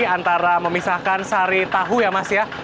antara memisahkan sari tahu ya mas ya